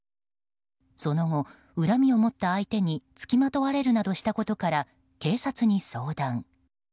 その後、恨みを持った相手に付きまとわれるなどしたことから警察に相談。